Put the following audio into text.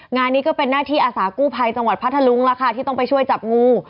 งานนี้ก็เป็นหน้าที่อาสากู้ภัยจังหวัดพัทธลุงล่ะค่ะที่ต้องไปช่วยจับงู